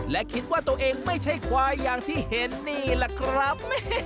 และคิดว่าตัวเองไม่ใช่ควายอย่างที่เห็นนี่แหละครับ